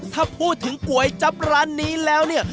ถ้าพูดถึงก๋วยจับร้านนี้แล้วเนี่ย